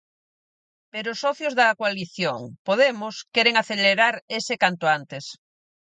Pero os socios da coalición, Podemos, queren acelerar ese canto antes.